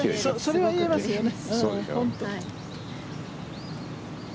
それは言えますよね。